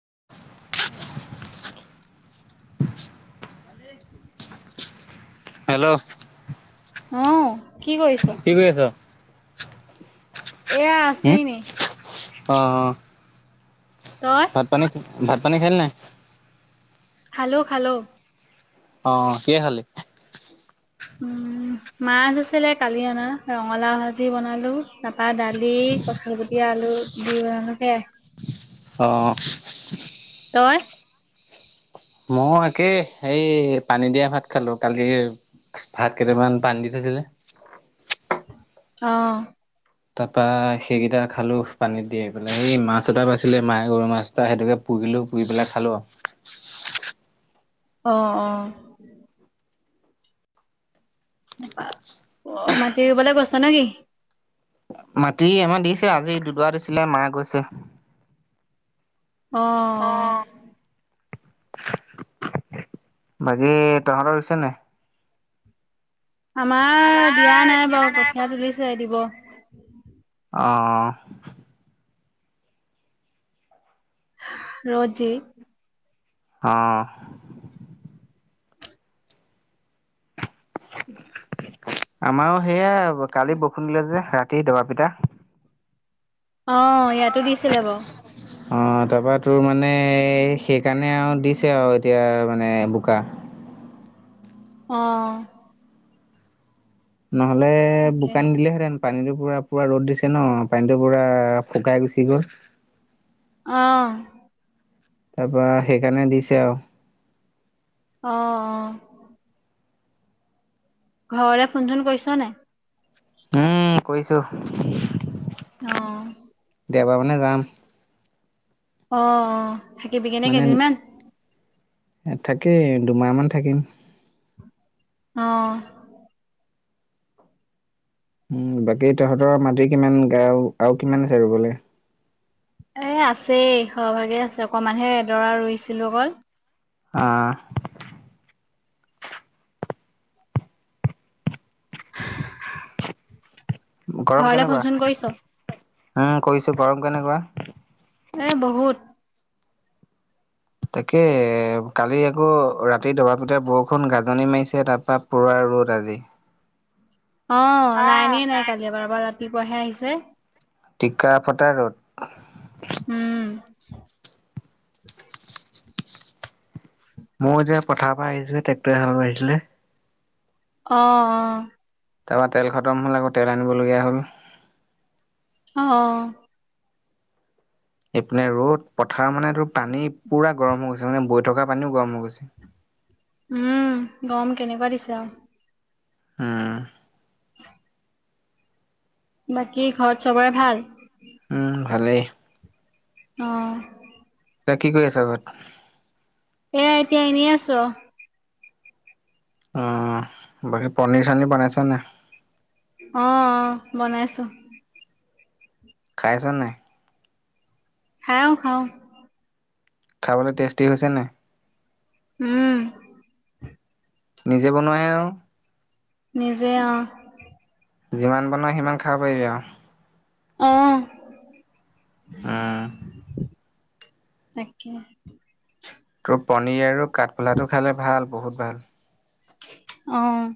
[inaudible] Hello অ' কি কৰি আছ? এয়া, আছো হুম, এনেই। অ' তই ভাত পানী, ভাত পানী খালি নাই? খালো, খালো। অ', কিহে খালি? উম' মাছ আছিলে কালি অনা, ৰঙালাও ভাজি বনালো, তাপা দালি, কঁঠাল গুটি আলু দি বনালো সেয়াই। অ' তই? ময়ো একেই, এই পানী দিয়া ভাত খালো কালিৰ ভাত কেইটামান পানী দি থৈছিলে অ' তাপা সেইকেইটা খালোঁ পানীত তিয়াই পেলাই, সেই মাছ এটা পাইছিলে মায়ে গৰৈ মাছ এটা, সেইটোকে পু পুৰিলো, পুৰি পেলাই খালোঁ আৰু। [inaudible] অ', অ'। [unintelligible] মাটি ৰুবলে গৈছ নে কি? মাটি আমাৰ দিছে, আজি দুডৰা দিছিলে, মা গৈছে। অ' বাকী তহঁতৰ ৰুইছে নাই? আমাৰ দিয়া নাই বাৰু, কঠীয়া তুলিছে, দিব। অ' ৰ'দ যি অ' [inaudible] আমাৰো সেয়া, কালি বৰষুণ দিলে যে, ৰাতি দবাপিটা অ', ইয়াতো দিছিলে বাৰু। অ', তাৰপা তোৰ মানে এই সেইকাৰণে আৰু দিছে আৰু এতিয়া মানে বোকা। অ' নহলে তাকে বোকা নিদিলেহেঁতেন। পানীটো পুৰা-পুৰা ৰ'দ দিছে ন, পানীটো পুৰা শুকাই গুচি গ'ল অ' তাৰপা সেইকাৰণে দিছে আৰু। অ', অ'। ঘৰলে ফোনচোন কৰিছ নে নাই? উম। কৰিছোঁ। অ দেওবাৰ মানে যাম। অ', অ' থাকিবিগেনে কেইদিনমান? তাকেই দুমাহমান থাকিম। অ'। উম, বাকী তহঁতৰ মাটি কিমানগাল আৰু কিমান আছে ৰুবলৈ? এ, আছেই সৰহভাগে আছে। অকমানহে এডৰা ৰুইছিলোঁ অকল। আহ। গৰম ঘৰলে কেনেকুৱা? ফোন চোন কৰিছ? উম, কৰিছো। গৰম কেনেকুৱা? এ, বহুত। তাকে এ, কালি আকৌ ৰাতি দবাপিটা বৰষুণ, গাজনি মাৰিছে, তাৰ পৰা পুৰা ৰ'দ আজি। অ' লাইনে নাই কালিৰ পৰা। এবাৰ ৰাতিপুৱাহে আহিছে। টিকা ফটা ৰ'দ। উম। মই যেতিয়া পথাৰৰ পৰা আহিছিলো, ট্ৰেক্টৰে হাল বাই আছিলে। অ', অ'। তাৰপা তেল খতম হ'ল আকৌ তেল আনিবলগীয়া হ'ল। অ'। এইপিনে ৰ'দ। পথাৰ মানে তোৰ পানী পুৰা গৰম হৈ গৈছে মানে বৈ থকা পানীও গৰম হৈ গৈছে। উম, গম কেনেকুৱা দিছো আৰু। উম। বাকী ঘৰত চবৰে ভাল? উম, ভালেই। অ'। এতিয়া কৰি আছা ঘৰত? এয়া এতিয়া এনেই আছো। অ' বাকী পনীৰ চনিৰ বনাইছ নাই? অ', অ' বনাইছোঁ। খাইছ নে নাই? খাওঁ খাওঁ। খাবলৈ টেষ্টি হৈছে নে নাই? উম। নিজে বনোৱাহে আৰু। নিজে অ'। যিমান বনাই সিমান খাব পাৰিবি আৰু। অ'। উম। তাকে। তোৰ পনীৰ আৰু কাঠফোলাটো খালে ভাল বহুত ভাল। অ'।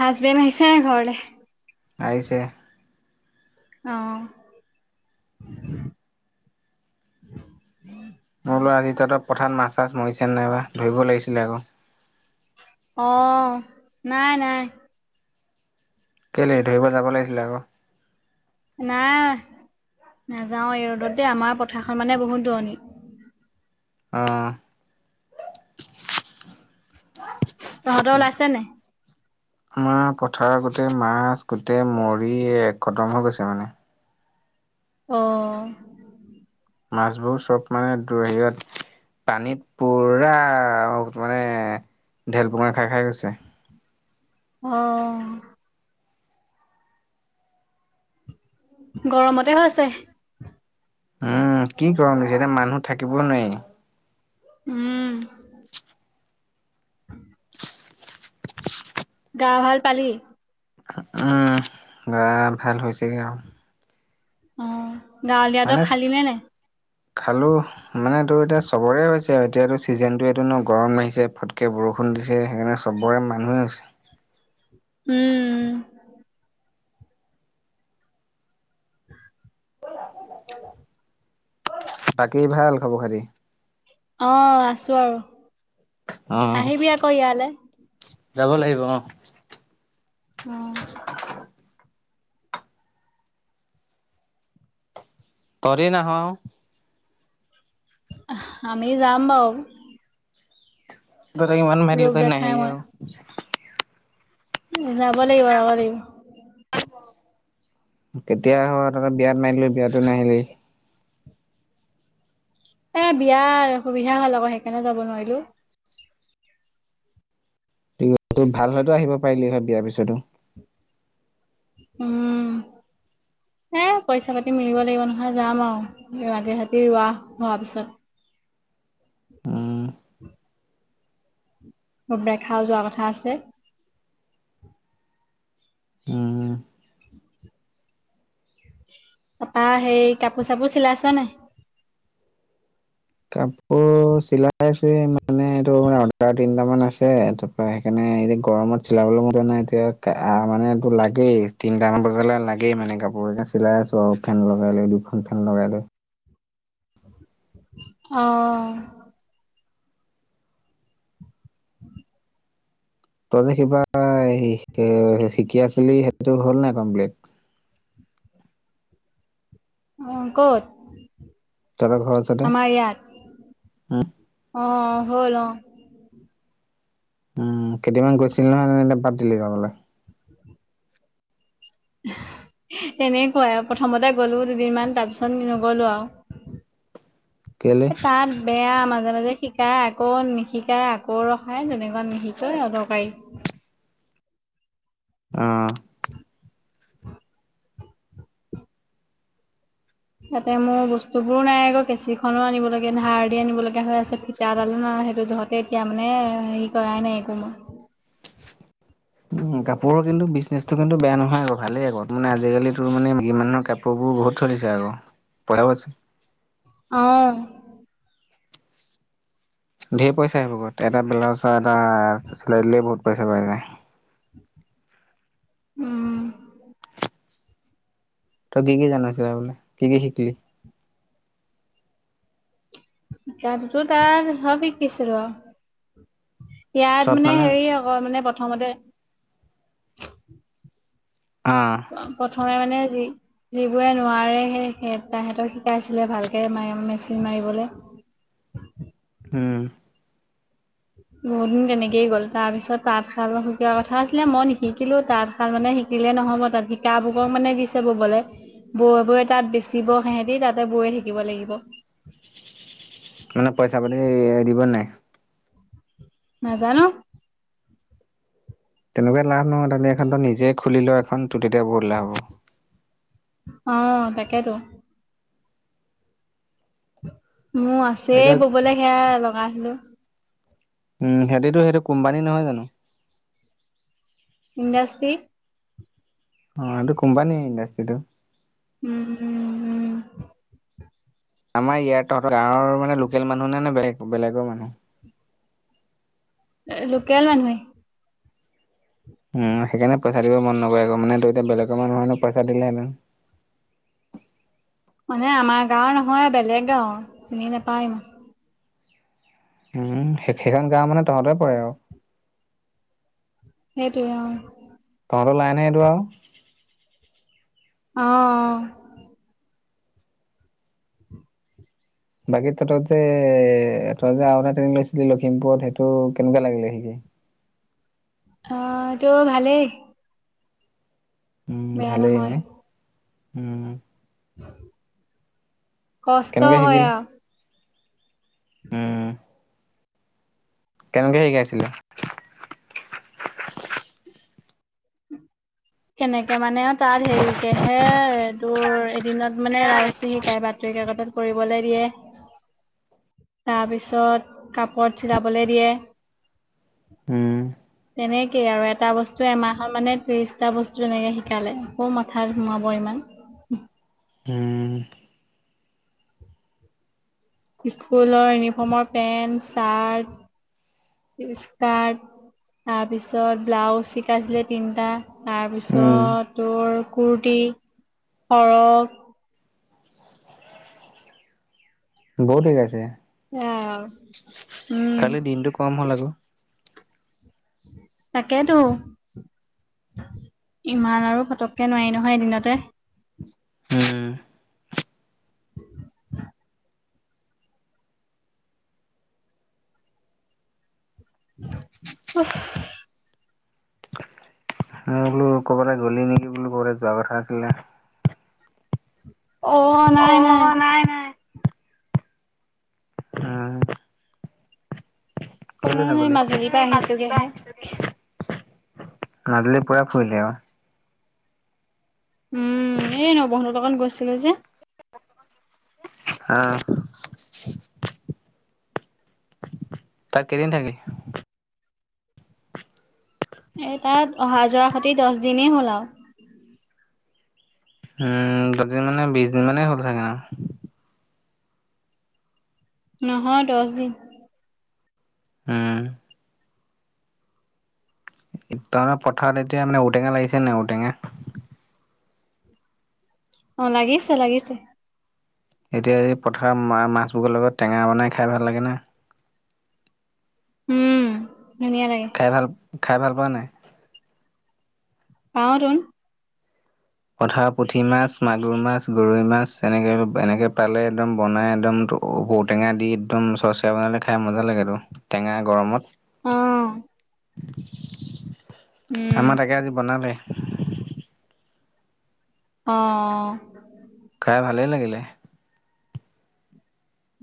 হাজবেন আহিছে ঘৰলে। আহিছে। অ'। মোৰ বোলো আজি তহঁতৰ পথাৰত মাছ চাছ মৰিছে নে নাইবা, ধৰিব লাগিছিলে আকৌ। অ' নাই নাই। কেলৈ ধৰিব যাব লাগিছিলে আকৌ নাই। নাযাও এই ৰ'দত দ আমাৰ পথাৰখন মানে বহুত দূৰণি অ', তহঁতৰ ওলাইছে নে আমাৰ পথাৰ গোটেই মাছ গোটেই মৰি একতম হৈ গৈছে মানে অ', মাছবোৰ চব মানে হেৰিত পানীত পুৰা মানে ঢেল পঙা খাই খাই গৈছে। অ', গৰমতে হৈ হৈছে। উম কি কৰম নি এতিয়া মানুহ থাকিবই নোৱাৰি। উম', গা ভাল পালি? উম গৰা ভাল হৈছেগৈ আৰু অ', গাঁৱলীয়া দৰৱ মানে খালি নে নাই? খালো মানে তোৰ এতিয়া চবৰে হৈছে। এতিয়াতো চিজনতটো এইো ন গৰম নিছে ফটকে বৰষুণ দিছে সেইকাৰণে চবৰে মানুহে হৈছে। উম', [inaudible] বাকেই ভাল খবৰ খতি অ', আছো আৰু অ আহিবি আকৌ ইয়ালৈ। যাব লাগিব অ' [unintelligible] তহঁতি নাহো। আমি যাম বাৰু তহঁতক কিমান মাতি কৰি ত ৰূপৰেখাই নাহিলি অ', যবা লাগিব। যাব লাগিব। কেতিয়া তহঁত বিয়াত মাতিলোঁ বিয়াতো নাহিলি। এ বিয়াৰ সুবিধা হলোঁ সেইকাৰণে যাব নোৱাৰিলো। তোৰ ভাল হয়তো আহিব পাৰিলি হয় বিয়াৰ পিছতো। উম', এ পইচা-পাতি মিলিব লাগিব নহয় যাম আৰু ৰাতি ৰাতি ৰোৱা হোৱাৰ পিছত। উম বেটাও যোৱা কথা আছে। উম তাৰ পৰা সেই কাপোৰ চাপোৰ চিলাইছা নে নাই? কাপোৰ চিলাইছ মানে এইটো অৰ্ডাৰ তিনটামান আছে তাৰ পৰা সেইকাৰণে গৰমত চিলাবলৈ মন যোৱা নাই। এতিয়া মানে এইটো লাগেই তিনিটামান বজালে লাগেই মানে কাপোৰ এ চিলাই আছো আৰু ফেন লগাই। দুখন ফেন লগাইলো। অ', [inaudible] তই যে কিবা শিকি আছিলি সেইটো হ'ল নে নাই কমপ্লিট? অ', ক'ত, তাৰা ঘৰ আছে দে আমাৰ ইয়াত অ', হ'ল অ' উম কেইদিনামান গৈছিল নহয় নে বাদ দিলি যাবলৈ। এনেকুৱাই আৰু প্ৰথমতে গলো দুদিন মান তাৰ পিছত নগলো কেলে আৰু তাত বেয়া মাজে মাজে শিকাই আকৌ নিশিকাই আকৌ ৰ নাই তেনেকুৱা নিশিকায় অদৰকাৰী। আহ', ইয়াতে মোৰ বস্তু বোৰো নাই, আকৌ কেঁচিখনো আনিব লগে, ধাৰ দি আনিব লগা হৈ আছে ফিতাডালো নাই। সেইটো জহতে এতিয়া মানে হেৰি কৰাই নাই একো মই। উম, কাপোৰৰ কিন্তু বিজনেছটো কিন্তু বেয়া নহয় আকৌ ভালেই আকৌ মানে আজিকালিতো মানে মাইকী মানুহৰ কাপোৰবোৰ মোৰ বহুত চলিছে আকৌ পঢ়াবাচো অহ। ধেৰ পইচা আহিব, এটা ব্লাউজ এটা চিলাই দিলে বহুত পইচা পাই যায়। উম। তই কি কি জানো চিলাবলে, কি কি শিকিলি? শিকাতোটো তাৰ [unintelligible] শিকিছিলোঁ। ইয়াত মানে হেৰি আকৌ মানে প্ৰথমতে অ অহ, প্ৰথমে মানে আজি যিবোৰে নোৱাৰে সেই তাহঁতক শিকাইছিলে ভালকে মায়ে মেচিন মাৰিবলে। [unintelligible] উম। বহুত দিন তেনেকেই গ'ল, তাৰপিছত তাঁতশাল শিকোৱা কথা আছিলে মই নিশিকিলোঁ তাঁতশাল মানে শিকিল শিকিলে নহ'ব তাত শিকাবকো মানে দিছে ববলে। বৈ বৈ তাত বেচিব সেহঁতি তাতে বৈয়ে থাকিব লাগিব। [unintelligible] মানে পইচা পাতি দিব নে নাই? নাজানোঁ। তেনেকুৱা লাভ নহয় তাতে এখনতো নিজে খুলি লয় এখন তুলি দে বহুত লাভ হ'ব। অহ, তাকেতো। মোৰ আছে এতিয়া ব'বলে সেয়া লগাছিলোঁ। উম, সিহঁতেটো সেইটো কোম্পানী নহয় জানোঁ। ইণ্ডাষ্ট্ৰী। অহ, সেইটো কোম্পানীয়ে ইণ্ডাষ্ট্ৰিটো। উম', উম', উম'। আমাৰ ইয়াত তহঁতৰ গাঁৱৰ মানে লোকেল মানুহ নে, নে বেলেগ বেলেগৰ মানুহ। এ লোকেল মানুহয়েই। উম, সেইকাৰণে পইচা দিব মন নকৰে আকৌ মানে ত' এতিয়া বেলেগৰ মানুহ হ'লে পইচা দিলেহেঁতেন। মানে আমাৰ গাঁও নহয়, বেলেগ গাওঁৰ চিনি নাপাওঁ ইমান। উম, সেইখান গাওঁ মানে তহঁতৰ পৰে আৰু। সেইটোৱে অহ। তহঁতৰ লাইনে এইটো আৰু। অহ। বাকী তহঁত যে এ তই যে আৰু এটা ট্ৰেনিং লৈছিলি লখিমপুৰত, সেইটো কেনেকুৱা লাগিলে শিকি। [inaudible] অহ, সেইটো ভালেই। উম, বেয়া ভালেই নহয় নে উম। কষ্ট কেনেকে হয় শিকিলি? আৰু। উম। কেনেকে শিকাইছিলে? কেনেকে মানে তাত হেৰিকে হে তোৰ দিনত মানে ৰাউচতো শিকায় বাতৰি কাকতত কৰিবলৈ দিয়ে, তাৰপিছত কাপোৰত চিলাবলৈ দিয়ে। উম। তেনেকেই আৰু এটা বস্তু এমাহত মানে ত্ৰিশটা বস্তু তেনেকে শিকালে ক'ত মাথাত সোমাব ইমান। উম। উম স্কুলৰ ইউনিফৰ্মৰ পেন্ট চাৰ্ট। ইচৰ্কাত। তাৰপিছত ব্লাউজ শিকাইছিলে তিনটা, উম তাৰপিছত তোৰ কুৰ্তি টি, ফৰক। বহুত শিকাইছে। সেয়াই আৰু উম খালি দিনটো কম হ'ল আকৌ। তাকেইতো। ইমান আৰু ফটককে নোৱাৰি নহয় এদিনতে। উম উফ। মই বোলো ক'বালে গ'লি নেকি বোলো [unintelligible] অ', নাই, নাই। অ' নাই। উম কেলে [unintelligible] নগলি? মাজুলীৰ পৰা মাজুলীৰ আহিছোগেহে। মাজুলীৰ পুৰা ফুৰিলি আৰু। উম, এই নবৌহঁতৰ লগত গৈছিলো যে। অহ। তাক কেইদিন থাকিলি? এ তাত অহা যোৱা সতি দচ দিনেই হ'ল আৰু। উম, দচ দিন মানে বিচ দিন মানে হ'ল চাগে [unintelligible] নহয় দচ দিন। উম, তহঁতৰ পথাৰত এতিয়া মানে ঔটেঙা লাগিছে নাই ঔটেঙা? অ', লাগিছে লাগিছে। এতিয়া এই পথাৰ মা মাছবোৰৰ লগত টেঙা বনাই খাই ভাল লাগে নে? উম ধুনীয়া লাগে খাই ভাল, খাই ভাল পোৱা নে? পাওঁ টোন। পথাৰৰ পুঠি মাছ, মাগুৰ মাছ, গৰৈ মাছ, এনেকে এনেকে পালে একদম বনাই একদম ত ঔটেঙা দি একদম চচইয়া বনালে খাই মজা লাগেতো, টেঙা গৰমত। অঁ। আমাৰ তাকে আজি বনালে। অঁ। খাই ভালে লাগিলে।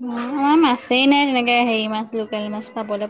অ আমাৰ মাছেই নাই তেনেকে হেৰি মাছ লোকেল মাছ পাবলে।